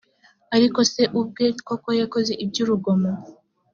ariko se ubwe koko yakoze iby’urugomo